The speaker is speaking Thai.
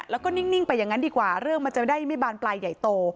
แล้วก็นิ่งไปอย่างนั้นดีกว่าเรื่องมันจะได้ไม่บานปลายใหญ่โต